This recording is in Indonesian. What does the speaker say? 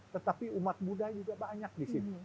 tetapi umat budaya juga banyak di sini